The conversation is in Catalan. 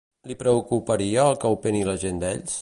Li preocuparia el que opini la gent d'ells?